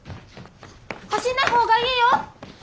走んない方がいいよ。